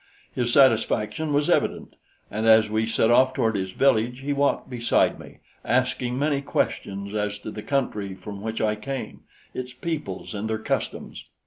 His satisfaction was evident, and as we set off toward his village, he walked beside me, asking many questions as to the country from which I came, its peoples and their customs.